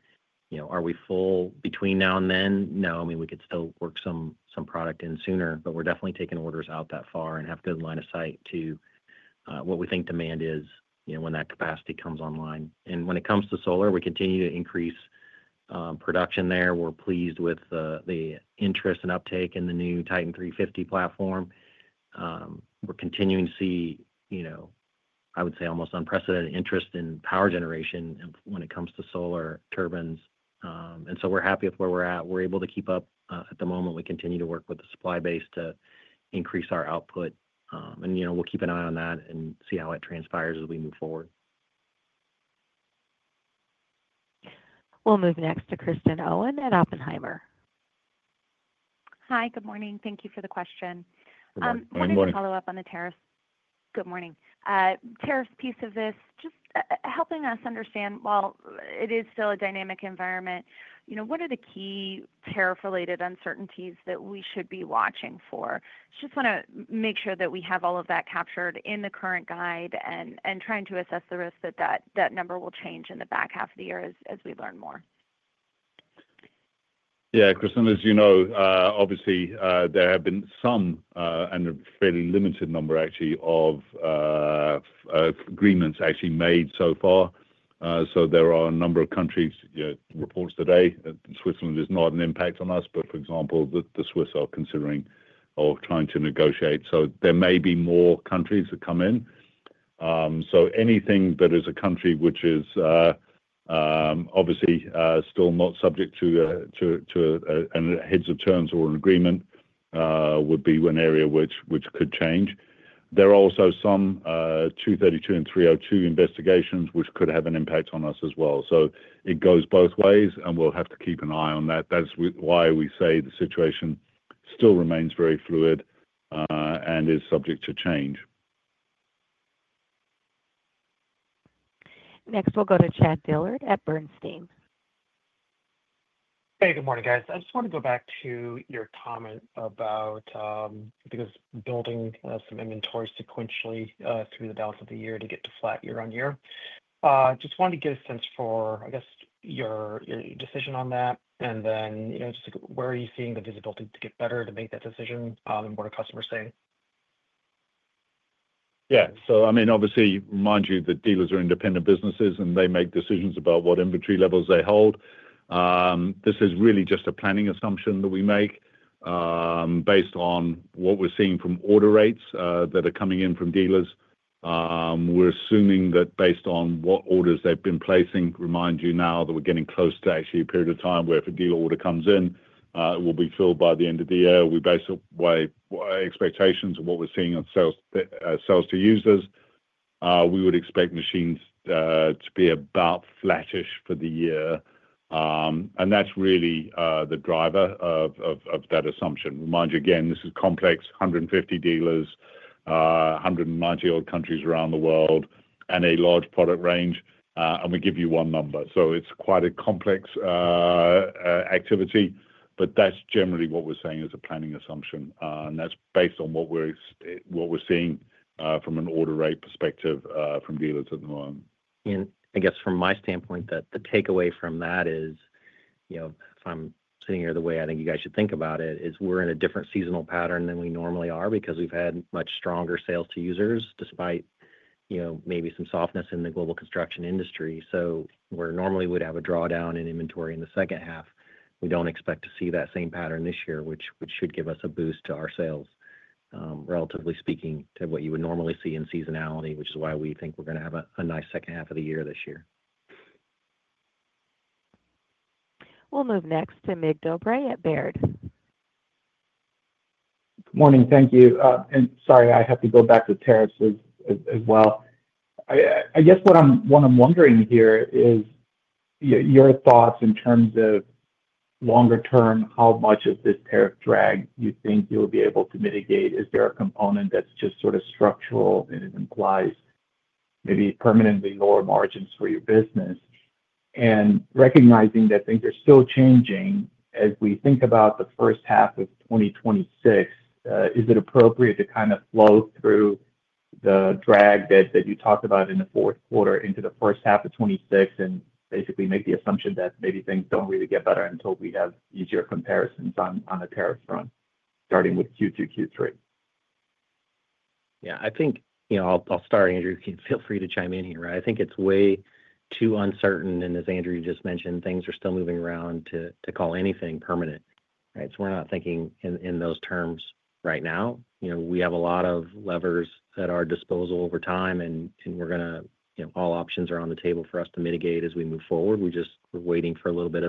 Are we full between now and then? No, I mean, we could still work some product in sooner, but we're definitely taking orders out that far and have good line of sight to what we think demand is when that capacity comes online. When it comes to solar, we continue to increase production there. We're pleased with the interest and uptake in the new Titan 350 platform. We're continuing to see, I would say, almost unprecedented interest in power generation when it comes to Solar turbines. We're happy with where we're at. We're able to keep up at the moment. We continue to work with the supply base to increase our output. We'll keep an eye on that and see how it transpires as we move forward. We'll move next to Kristen Owen at Oppenheimer. Hi, good morning. Thank you for the question. I wanted to follow up on the tariffs. Good morning. Tariffs piece of this, just helping us understand, while it is still a dynamic environment, you know, what are the key tariff-related uncertainties that we should be watching for? I just want to make sure that we have all of that captured in the current guide and trying to assess the risk that that number will change in the back half of the year as we learn more. Yeah, Kristen, as you know, obviously there have been some, and a fairly limited number actually, of agreements actually made so far. There are a number of countries, you know, reports today. Switzerland is not an impact on us, but for example, the Swiss are considering or trying to negotiate. There may be more countries that come in. Anything that is a country which is obviously still not subject to a heads of terms or an agreement would be one area which could change. There are also some 232 and 302 investigations which could have an impact on us as well. It goes both ways and we'll have to keep an eye on that. That's why we say the situation still remains very fluid and is subject to change. Next, we'll go to Chad Dillard at Bernstein. Hey, good morning guys. I just wanted to go back to your comment about, I think it was building some inventory sequentially through the balance of the year to get the flat year-on-year. I just wanted to get a sense for your decision on that and then, you know, just where are you seeing the visibility to get better to make that decision and what are customers saying? Yeah, so obviously, I remind you that dealers are independent businesses and they make decisions about what inventory levels they hold. This is really just a planning assumption that we make based on what we're seeing from order rates that are coming in from dealers. We're assuming that based on what orders they've been placing, I remind you now that we're getting close to actually a period of time where if a dealer order comes in, it will be filled by the end of the year. We based it by expectations of what we're seeing on sales to users. We would expect machines to be about flattish for the year. That's really the driver of that assumption. I remind you again, this is complex, 150 dealers, 190 odd countries around the world, and a large product range. We give you one number. It's quite a complex activity, but that's generally what we're saying is a planning assumption. That's based on what we're seeing from an order rate perspective from dealers at the moment. From my standpoint, the takeaway from that is, you know, if I'm sitting here the way I think you guys should think about it, is we're in a different seasonal pattern than we normally are because we've had much stronger sales to users despite, you know, maybe some softness in the global construction industry. Where normally we'd have a drawdown in inventory in the second half, we don't expect to see that same pattern this year, which should give us a boost to our sales, relatively speaking to what you would normally see in seasonality, which is why we think we're going to have a nice second half of the year this year. We'll move next to Mircea Dobre at Baird. Morning, thank you. Sorry, I have to go back to tariffs as well. I guess what I'm wondering here is your thoughts in terms of longer term, how much of this tariff drag you think you'll be able to mitigate. Is there a component that's just sort of structural and it implies maybe permanently lower margins for your business? Recognizing that things are still changing as we think about the first half of 2026, is it appropriate to kind of flow through the drag that you talked about in the fourth quarter into the first half of 2026 and basically make the assumption that maybe things don't really get better until we have easier comparisons on the tariff front, starting with Q2-Q3? I think I'll start. Andrew, feel free to chime in here. I think it's way too uncertain, and as Andrew just mentioned, things are still moving around to call anything permanent. We're not thinking in those terms right now. We have a lot of levers at our disposal over time, and all options are on the table for us to mitigate as we move forward. We're just waiting for a little bit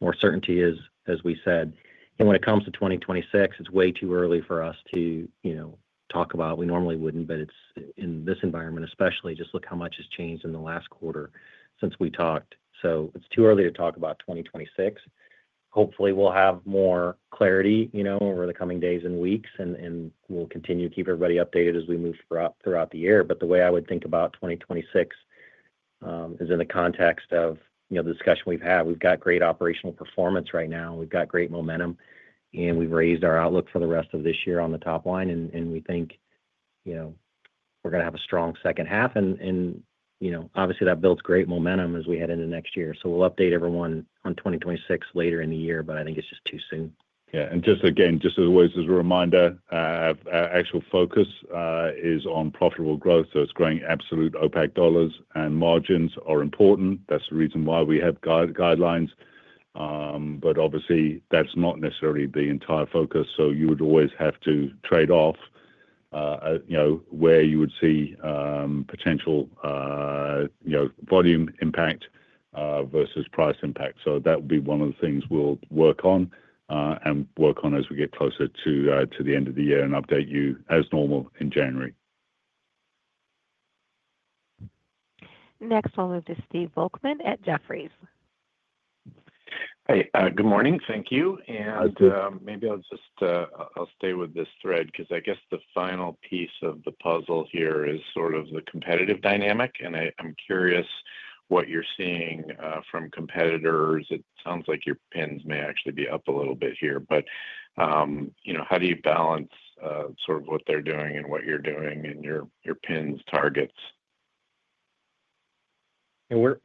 more certainty, as we said. When it comes to 2026, it's way too early for us to talk about. We normally wouldn't, but in this environment especially, just look how much has changed in the last quarter since we talked. It's too early to talk about 2026. Hopefully, we'll have more clarity over the coming days and weeks, and we'll continue to keep everybody updated as we move throughout the year. The way I would think about 2026 is in the context of the discussion we've had. We've got great operational performance right now. We've got great momentum, and we've raised our outlook for the rest of this year on the top line. We think we're going to have a strong second half. Obviously, that builds great momentum as we head into next year. We'll update everyone on 2026 later in the year, but I think it's just too soon. Just as always, as a reminder, our actual focus is on profitable growth. It's growing absolute OpEx dollars, and margins are important. That's the reason why we have guidelines. Obviously, that's not necessarily the entire focus. You would always have to trade off where you would see potential volume impact versus price impact. That would be one of the things we'll work on as we get closer to the end of the year and update you as normal in January. Next, we'll move to Stephen Volkmann at Jefferies. Good morning. Thank you. Maybe I'll stay with this thread because I guess the final piece of the puzzle here is sort of the competitive dynamic. I'm curious what you're seeing from competitors. It sounds like your pins may actually be up a little bit here, but you know, how do you balance sort of what they're doing and what you're doing in your pins targets? We're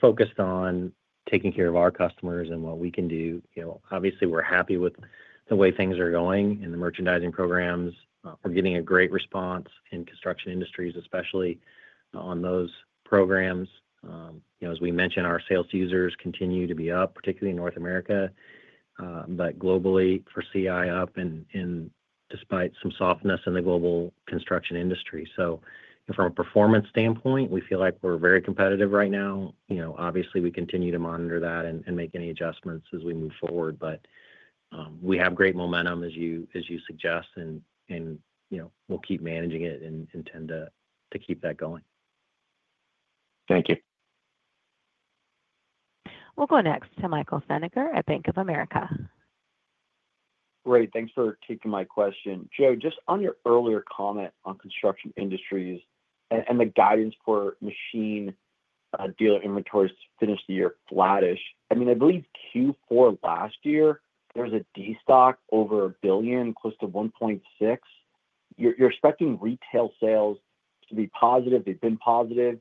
focused on taking care of our customers and what we can do. Obviously, we're happy with the way things are going in the merchandising programs. We're getting a great response in Construction Industries, especially on those programs. As we mentioned, our sales to users continue to be up, particularly in North America, but globally for CI up and despite some softness in the global construction industry. From a performance standpoint, we feel like we're very competitive right now. Obviously, we continue to monitor that and make any adjustments as we move forward. We have great momentum, as you suggest, and we'll keep managing it and tend to keep that going. Thank you. We'll go next to Michael Feniger at Bank of America. Great, thanks for taking my question. Joe, just on your earlier comment on Construction Industries and the guidance for machine dealer inventories to finish the year flattish, I mean, I believe Q4 last year, there was a destock over $1 billion, close to $1.6 billion. You're expecting retail sales to be positive. They've been positive.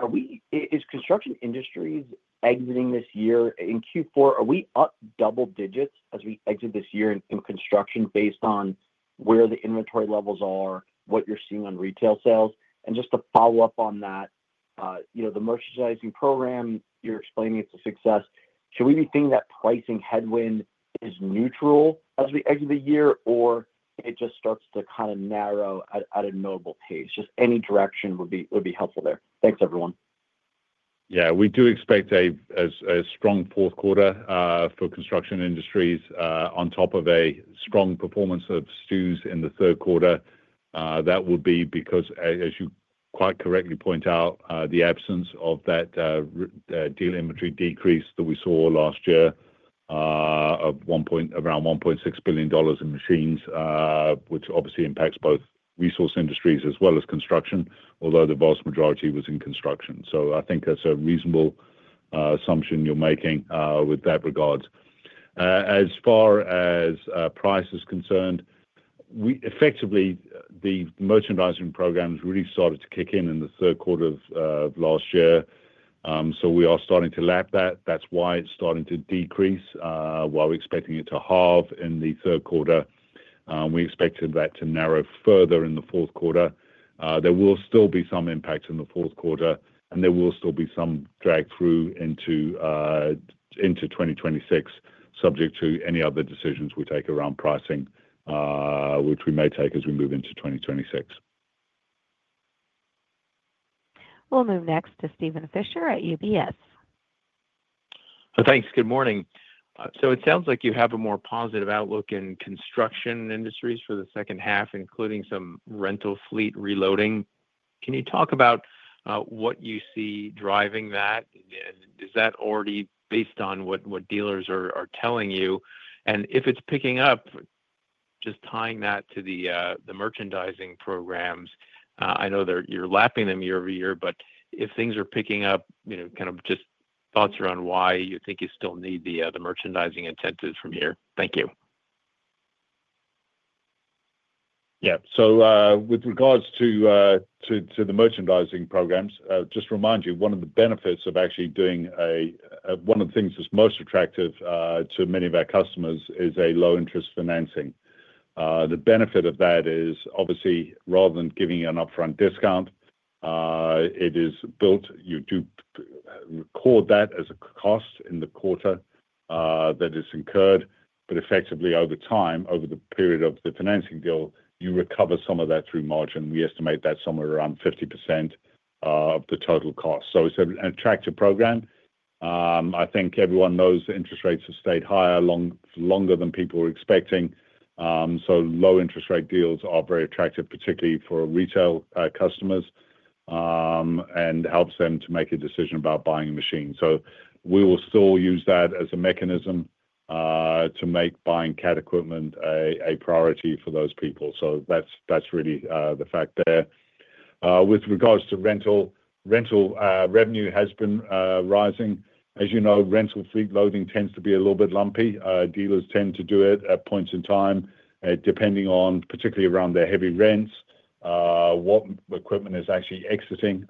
Are we, is Construction Industries exiting this year in Q4? Are we up double digits as we exit this year in construction based on where the inventory levels are, what you're seeing on retail sales? To follow up on that, the merchandising program, you're explaining it's a success. Should we be thinking that pricing headwind is neutral as we exit the year, or it just starts to kind of narrow at a notable pace? Any direction would be helpful there. Thanks, everyone. Yeah, we do expect a strong fourth quarter for Construction Industries on top of a strong performance of stews in the third quarter. That would be because, as you quite correctly point out, the absence of that dealer inventory decrease that we saw last year of around $1.6 billion in machines, which obviously impacts both Resource Industries as well as Construction, although the vast majority was in Construction. I think that's a reasonable assumption you're making with that regard. As far as price is concerned, we effectively, the merchandising programs really started to kick in in the third quarter of last year. We are starting to lap that. That's why it's starting to decrease. While we're expecting it to halve in the third quarter, we expected that to narrow further in the fourth quarter. There will still be some impacts in the fourth quarter, and there will still be some drag through into 2026, subject to any other decisions we take around pricing, which we may take as we move into 2026. We'll move next to Steven Fisher at UBS. Thanks. Good morning. It sounds like you have a more positive outlook in Construction Industries for the second half, including some rental fleet reloading. Can you talk about what you see driving that? Is that already based on what dealers are telling you? If it's picking up, just tying that to the merchandising programs, I know that you're lapping them year over year, but if things are picking up, just thoughts around why you think you still need the merchandising incentives from here. Thank you. Yeah, with regards to the merchandising programs, just to remind you, one of the benefits of actually doing a, one of the things that's most attractive to many of our customers is a low-interest financing. The benefit of that is, obviously, rather than giving you an upfront discount, it is built. You do record that as a cost in the quarter that is incurred, but effectively over time, over the period of the financing deal, you recover some of that through margin. We estimate that somewhere around 50% of the total cost. It's an attractive program. I think everyone knows the interest rates have stayed higher longer than people were expecting. Low-interest rate deals are very attractive, particularly for retail customers, and helps them to make a decision about buying a machine. We will still use that as a mechanism to make buying Cat equipment a priority for those people. That's really the fact there. With regards to rental, rental revenue has been rising. As you know, rental fleet loading tends to be a little bit lumpy. Dealers tend to do it at points in time, depending on, particularly around their heavy rents, what equipment is actually exiting.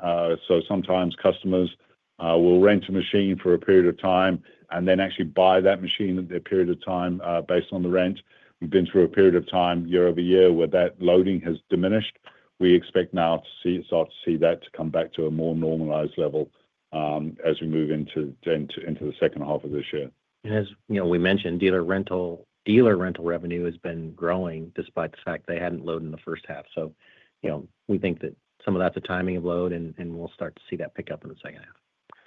Sometimes customers will rent a machine for a period of time and then actually buy that machine at their period of time based on the rent. We've been through a period of time year over year where that loading has diminished. We expect now to start to see that come back to a more normalized level as we move into the second half of this year. As you know, we mentioned dealer rental revenue has been growing despite the fact they hadn't loaded in the first half. We think that some of that's the timing of load and we'll start to see that pick up in the second half.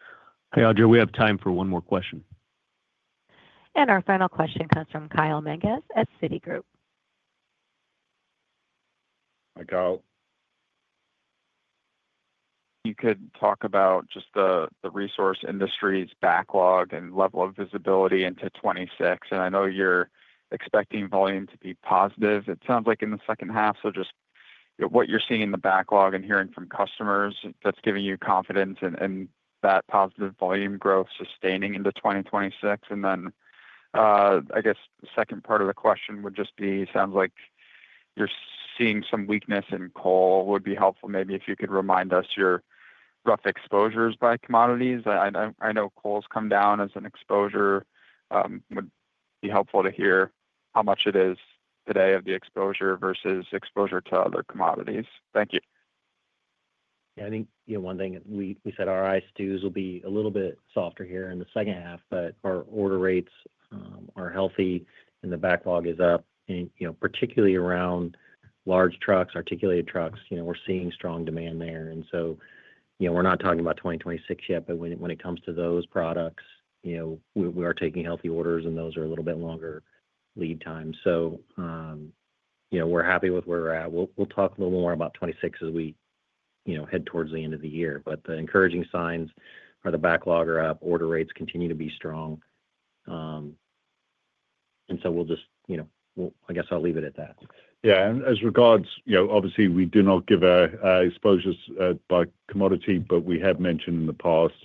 Hey, Audra, we have time for one more question. Our final question comes from Kyle Menges at Citigroup. Hi, Kyle. You could talk about just the Resource Industries' backlog and level of visibility into 2026. I know you're expecting volume to be positive. It sounds like in the second half, just what you're seeing in the backlog and hearing from customers that's giving you confidence in that positive volume growth sustaining into 2026. I guess the second part of the question would just be, it sounds like you're seeing some weakness in coal. Would be helpful maybe if you could remind us your rough exposures by commodities. I know coal's come down as an exposure. Would be helpful to hear how much it is today of the exposure versus exposure to other commodities. Thank you. I think one thing we said, Resource Industries will be a little bit softer here in the second half, but our order rates are healthy and the backlog is up. Particularly around large trucks, articulated trucks, we're seeing strong demand there. We're not talking about 2026 yet, but when it comes to those products, we are taking healthy orders and those are a little bit longer lead times. We're happy with where we're at. We'll talk a little more about 2026 as we head towards the end of the year. The encouraging signs are the backlog is up, order rates continue to be strong. I guess I'll leave it at that. As regards, you know, obviously we do not give our exposures by commodity, but we have mentioned in the past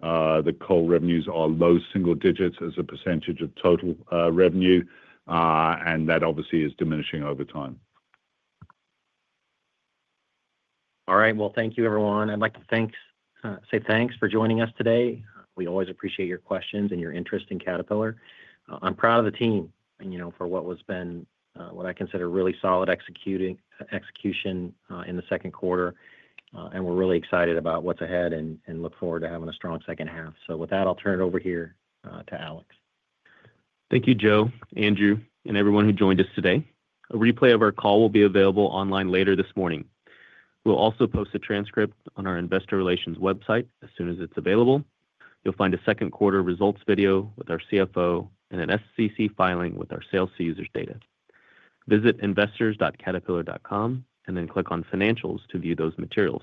that coal revenues are low single digits as a percentage of total revenue. That obviously is diminishing over time. All right, thank you everyone. I'd like to say thanks for joining us today. We always appreciate your questions and your interest in Caterpillar. I'm proud of the team for what has been what I consider really solid execution in the second quarter. We're really excited about what's ahead and look forward to having a strong second half. With that, I'll turn it over here to Alex. Thank you, Joe, Andrew, and everyone who joined us today. A replay of our call will be available online later this morning. We'll also post a transcript on our Investor Relations website as soon as it's available. You'll find a second quarter results video with our CFO and an SEC filing with our sales to users data. Visit investors.caterpillar.com and then click on financials to view those materials.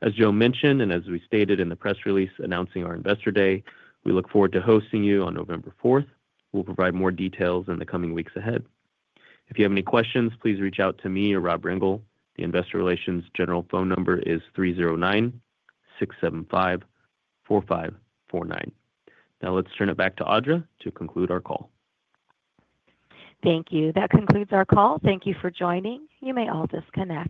As Joe mentioned, and as we stated in the press release announcing our Investor Day, we look forward to hosting you on November 4. We'll provide more details in the coming weeks ahead. If you have any questions, please reach out to me or Rob Rengel. The Investor Relations general phone number is 309-675-4549. Now let's turn it back to Audra to conclude our call. Thank you. That concludes our call. Thank you for joining. You may all disconnect.